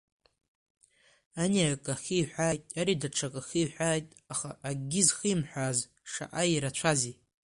Ани акы ахиҳәааит, ари даҽак ахиҳәааит, аха акгьы зхимҳәааз шаҟа ирацәази!